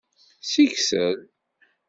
Siksel.